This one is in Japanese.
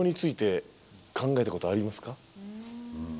うん。